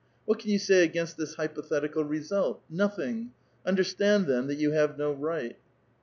What can you say against this hyi>othetical result? Nothing! Understand, then, that you have no right."